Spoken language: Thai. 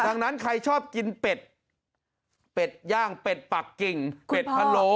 ดังนั้นใครชอบกินเป็ดเป็ดย่างเป็ดปักกิ่งเป็ดพะโล